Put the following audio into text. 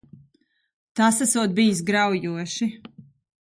Tas esot bijis graujoši.